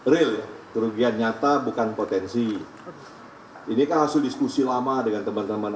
real kerugian nyata bukan potensi ini kan hasil diskusi lama dengan teman teman